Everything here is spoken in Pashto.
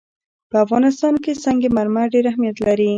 په افغانستان کې سنگ مرمر ډېر اهمیت لري.